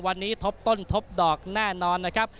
วันนี้ทบต้นทบดอกแน่นอนนะครับ